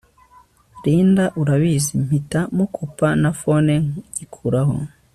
Linda urabizimpita mukupa na phone nyikuraho